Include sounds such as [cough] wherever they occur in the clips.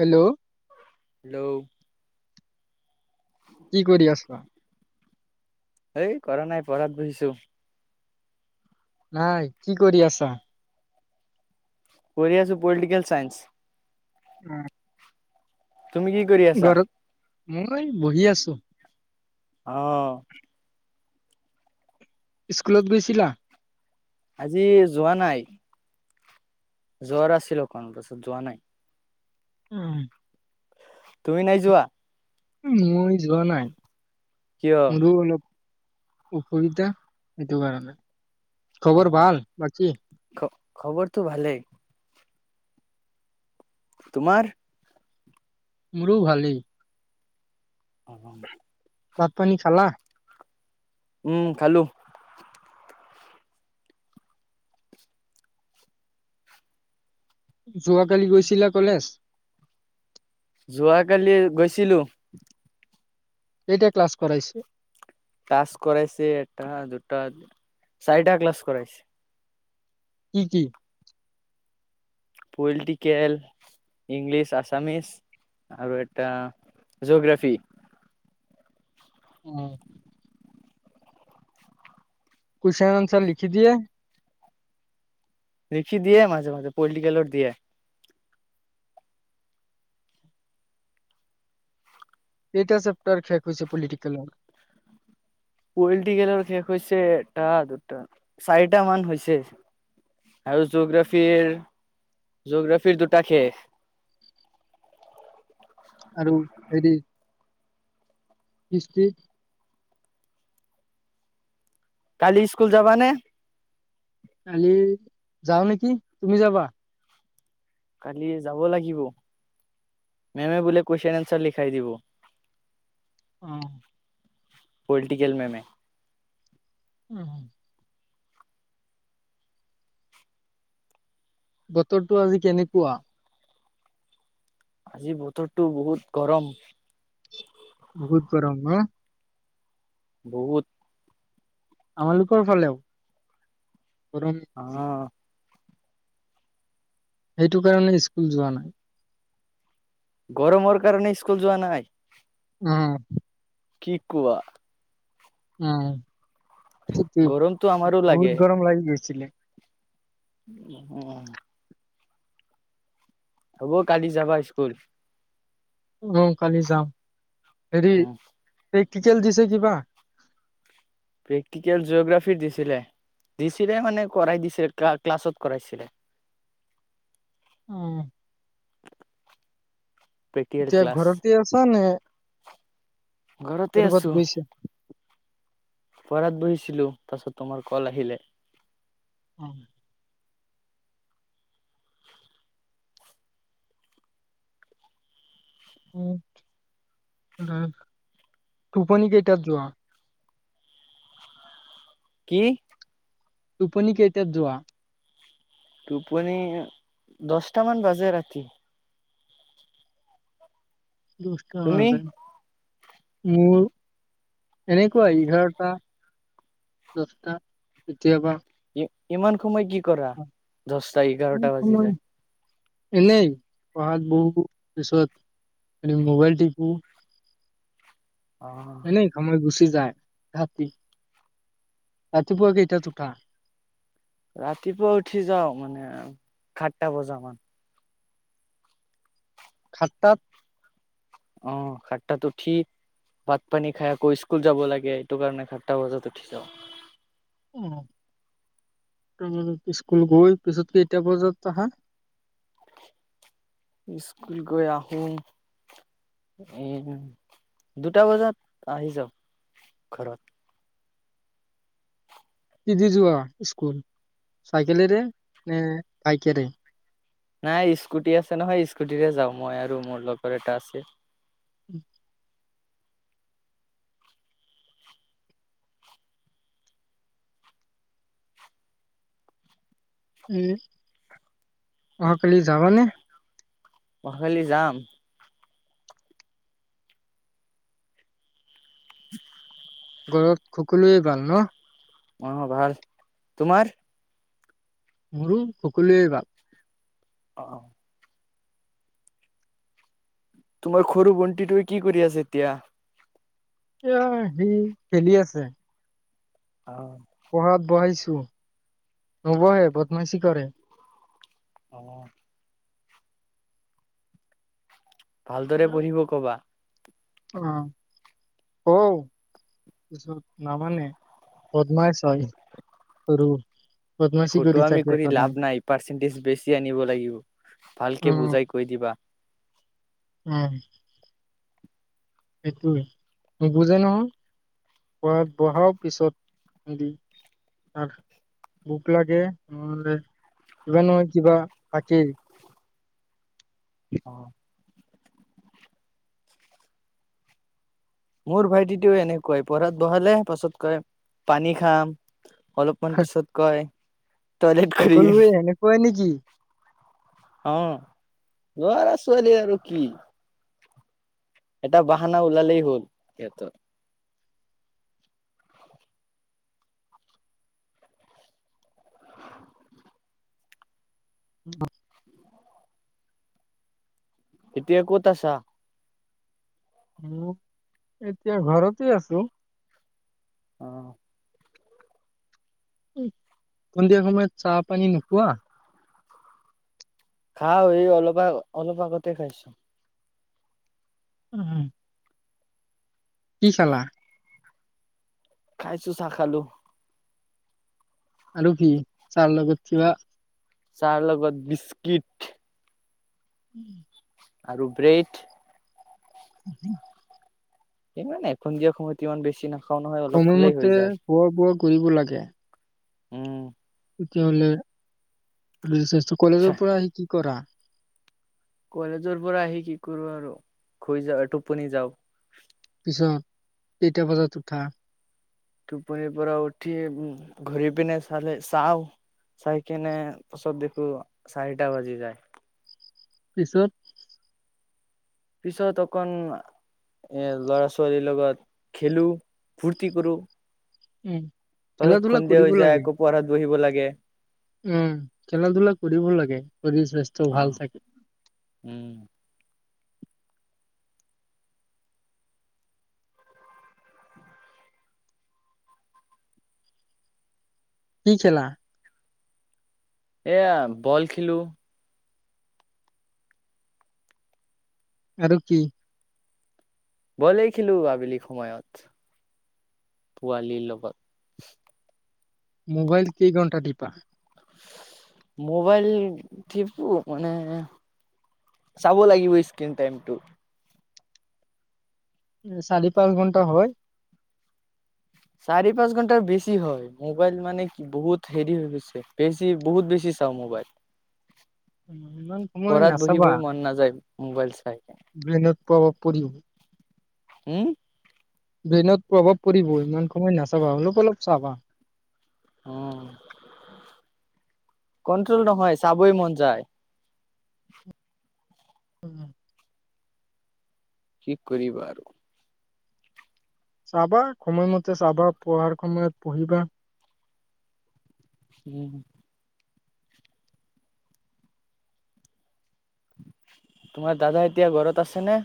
Hello ল কি কৰি আছা এ কৰা নাই পঢ়াত বহিছো নাই কি কৰি আছা কৰিৰি আাছো পলিটিকেল চাইন্স উম তুমি কি কৰি আছা মই বহি আছো আহ স্কুলত গৈছিলা আজি যোৱা নাই য্বৰ আছিলো অকণ পাছত যোৱা নাই উম তুমি নাই যোৱা মই যোৱা নাই কিয় ম উপৰতা সেইটো কাৰণে অ খবৰ ভাল বাকী? খ খবৰটো ভালেই তোমাৰ মোৰভালি অ ভাত পানী খালা উম খালো যোৱাকালি গৈছিলা কলেজ যোৱাকালি গৈছিলো এইতিয়া ক্লাছ কৰাইছে ক্লাছ কৰাইছে এটা দুটা চাৰিটা ক্লাছ কৰাইছে কি কি পলিটিকেল ইংলিছ আছামিছ আৰু এটা জঅগ্ৰাফি উম কেশ্চন আচাৰ লিখি দিয়ে লিখি দিয়ে মাজে মাজে পলিটিকেলৰ দিয়ে এইটা চেপটাৰ খেক হৈছে পলিটিকেলৰ পলিটিকেলৰ শেষ হৈছে এটা, দুটা, চাৰিটা মান হৈছে আৰু, জগ্ৰাফিৰ জগ্ৰাফিৰ দুটা শেষ। আৰু হেৰি, হিষ্টি? কালি স্কুল যাবানে? কালি যাওঁ নেকি, তুমি যাবা? কালি যাব লাগিব, মেমে বোলে কুৱেশন এনচাৰ লিখাই দিব। অ'। পলিটিকেল মেমে। উম। বতৰটো আজি কেনেকুৱা? আজি বতৰটো বহুত গৰম। বহুত গৰম ন বহুত। আমালোকৰ ফালেও। পৰম। অ সেইটো কাৰণে স্কুল যোৱা নাই। গৰমৰ কাৰণে ইস্কুল যোৱা নাই। উম। কি কোৱা? উম। [unintelligible] গৰমটো আমাৰো বহুত গৰম লাগি গৈছ ছিলে অ'। হ'ব কালি যাবা ইস্কুল। অ', কালি যাম। হেৰি, উম এ টিকেল দিছে কিবা? প্ৰেক্টিকেল জগ্ৰাফি দিছিলে, দিছিলে মানে কৰাই দিছে, ক্লা-ক্লাছত কৰাইছিলে। উম। প্ৰেক্টিকেল এতিয়া ক্লাছ ঘৰতে আছা নে? ঘৰতে কৰ'বাত আছো। গৈছা পঢ়াত বহিছিলোঁ, পাছত তোমাৰ কল আহিলে। অ। উম, [unintelligible] টোপনি কেইটাত যোৱা? কি? টোপনি কেইটাত যোৱা? টোপনি দছটা‌ মান বাজে ৰাতি। দছটা তুমি বাজে। মোৰ এনেকুৱাই, ইঘাৰটা, দছটা কেতিয়াবা ইমান সময় কি কৰা? দছটা, এঘাৰটা বাজি সময় যায়। এনেই, পঢ়াত বহো, পিচত মোবাইল টিপো অ এনেই সময় গুচি যায় ৰাতি, ৰাতিপুৱা কেইটাত উঠা? ৰাতিপুৱা উঠি যাওঁ, মানে সাতটা বজামান সাতটাত অ', সাতটাত উঠি ভাত পানী খাই আকৌ স্কুল যাব লাগে, এইটো কাৰণে সাতটা বজাত উঠি যাওঁ। আহ তাৰপছ স্কুল গৈ পিছত এতিয়া পৰ্যন্ত আহা স্কুল গৈ আহো এ দুটা বজাত আহি যাওঁ ঘৰত কি দি যোৱা স্কুল, চাইকেলেৰে নে বাইকেৰে? নাই স্কুটি আছে নহয়, স্কুটিৰে যাওঁ মই আৰু মোৰ লগৰ এটা আছে। উম এ অহাকালি যাবানে [unintelligible] খালি যাম। উ ঘৰত সকলোৰে ভাল ন? অ ভাল তোমাৰ মোৰো সকলোৱে ভাল অ' তোমাৰ খৰু ভন্তিটোৱে কি কৰি আছে এতিয়া এয়া সি খেলি আছে অ পঢ়াত বহাইছো নবহে বদমাচি কৰে আহ ভালদৰে পঢ়িব কবা আহ অ পিছত নামানে পদ্মাই চাই আৰু ফটোআমি কৰি লাভ নাই পাৰ্চেণ্টেজ বেছি আনিব লাগিব ভালকে বুজাই কৈ দিবা উ সেইটোৱে নুবুজে নহয় পঢ়া‌ত বহাও পিছতদি তাৰ ভোক লাগে নহলে কিবা নহয় কিবা থাকেই অ মোৰ ভাইটিটোও এনেকুৱাই পঢ়াত বহালে পাছত কয় পানী খাম অলপমান পিছত কয় টয়লেট অকল কৰিম এনেকুৱা নেকি অ ল'ৰা ছোৱালী আৰু কি এটা বাহানা ওলালেই হ'ল সিহঁতৰ ব এতিয়া ক'ত আছা মই এতিয়া ঘৰতে আছো অ', সন্ধিয়া সময়ত চাহ পানী নোখোৱা খাও অলপ অলপ আগতে খাইছো উম কি খেলা খাইছো চাহ খালো আৰু কি চাহৰ লগত কিবা চাহৰ লগত বিস্কিট উম আৰু ব্ৰেড উ [unintelligible] ইমান এসন্ধিয়া সময়ত ইমান বেছি নেখাও সময়মতে খোৱা বোৱা কৰিব লাগে উম। তেতিয়াহ'লে কলেজৰ পৰা আহি কি কৰা? কলেজৰ পৰা আহি কি কৰোঁ আৰু ঘ যা টোপনি যাওঁ। পিছত কেইটা বজাত উঠা? টোপনিৰ পৰা উঠি উ ঘূৰি পিনে চালে চাওঁ চাই কিনে পাছত দেখো চাৰিটা বাজি যায় পিছত পিছত অকন এ, ল'ৰা ছোৱালীৰ লগত খেলো ফুৰ্তি কৰো। উম। খেলা তাছত ধূলা খুন্দিয়া কৰিব যায় লাগে। আকৌ পহাত বহিব লাগে। গে উম, খেলা-ধূলা কৰিব লাগে। শৰীৰ স্বাস্থ্যও অ ভাল থাকে। উম। কি খেলা? এয়া বল খেলো। আৰু কি? বলেই খিলো আবেলি সময়ত পোৱালিৰ লগত। মোবাইল কেই ঘণ্টা টিপা? মোবাইলপ মানে চাব লাগিব স্ক্ৰিন টাইমটো। চাৰি পাঁচ ঘন্টা হয়। চাৰি পাঁচ ঘন্টাৰ বেছি হয় মোবাইল মানে কি বহুত হেৰি হৈ গৈছে বেছি বহুত বেছি চাওঁ মোবাইল। ইমান সময় পঢ়াত নাচাবা বহিবই মন নাযায়। মোবাইল চাই। ব্ৰেইনত প্ৰভাৱ পৰিব। হম। ব্ৰেইনত প্ৰভাৱ পৰিব ইমান সময় নাচাবা অলপ অলপ চাবা। উম, কন্ট্ৰল নহয় চাবই মন যায়। উম। কি কৰিবা আৰু। চাবা সময়মতে চাবা পঢ়াৰ সময়ত পঢ়িবা। উম। তোমাৰ দাদা এতিয়া ঘৰত আছেনে?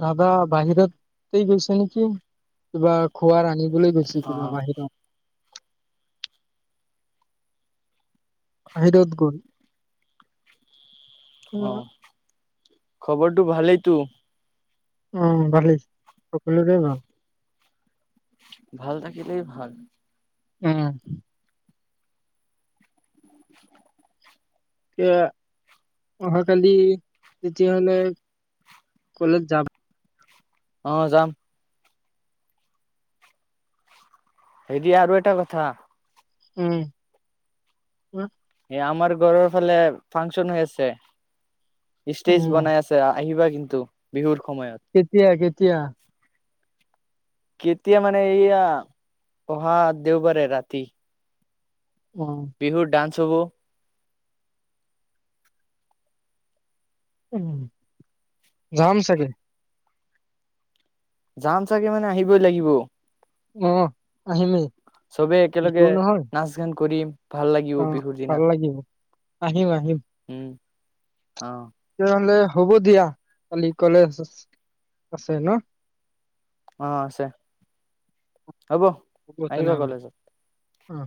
দাদা বাহিৰতেই গৈছে নেকি কিবা খোৱাৰ আনিবলৈ বলৈ গৈছো অ কিবা বাহিৰত আহাহিৰদ গুল অ'। খবৰটো ভালেইতো? অ', ভালেই সকলোৰে ভাল। ভাল থাকিলে ভাল। উম। [inaudible] এ, অহাকালি তেতিয়াহ'লে কলেজ যাম। অ', যাম। হেইৰি আৰু এটা কথা উম, উ এ, আমাৰ ঘৰৰ ফালে ফাংচন হৈ আছে। ষ্টেজ উম বনাই আছে আহিবা কিন্তু বিহুৰ সময়ত কেতিয়া কে কেতিয়া? কেতিয়া মানে এইয়া অহা দেওবাৰে ৰাতি। অ বিহুৰ ডান্স চব উম, যাম চাগে। যাম চাগে মানে আহিবই লাগিব। অ', আহিমেই। চবেই বিহু একেলগে নহয় নাচ গান কৰিম। ভাল লাগিব অ', বিহুৰ দিনা ভাল লাগিব আহিম, আহিম। অহ। তেতিয়াহ'লে হ'ব, দিয়া কালি কলেজ আছে ন? অ', আছে। হ'ব হ'ব আহিবা তেনেহ'লে কলেজত। অ'।